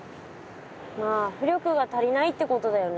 まあ浮力が足りないってことだよね。